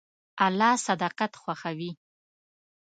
الله صداقت خوښوي.